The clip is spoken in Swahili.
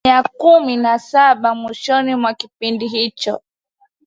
asilimia kumi na saba mwishoni mwa kipindi hicho